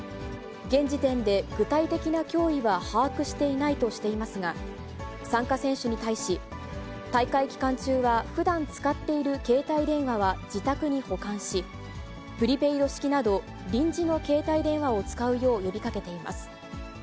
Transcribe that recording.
現時点で具体的な脅威は把握していないとしていますが、参加選手に対し、大会期間中は、ふだん使っている携帯電話は自宅に保管し、プリペイド式など臨時の携帯電話を使うよう呼びかけています。